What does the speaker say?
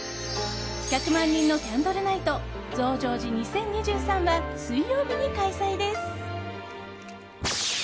１００万人のキャンドルナイト＠増上寺２０２３は水曜日に開催です。